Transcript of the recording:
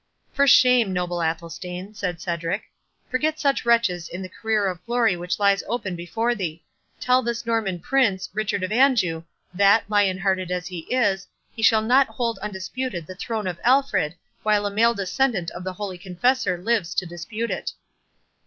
"For shame, noble Athelstane," said Cedric; "forget such wretches in the career of glory which lies open before thee. Tell this Norman prince, Richard of Anjou, that, lion hearted as he is, he shall not hold undisputed the throne of Alfred, while a male descendant of the Holy Confessor lives to dispute it."